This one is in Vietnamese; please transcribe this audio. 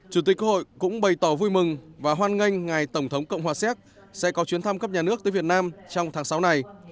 chủ tịch quốc hội cũng bày tỏ vui mừng và hoan nghênh ngài tổng thống cộng hòa séc sẽ có chuyến thăm cấp nhà nước tới việt nam trong tháng sáu này